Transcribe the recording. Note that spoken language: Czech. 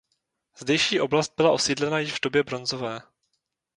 Zdejší oblast byla osídlena již v době bronzové.